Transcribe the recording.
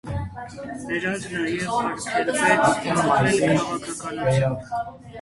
Նրանց նաև արգելվեց զբաղվել քաղաքականությամբ։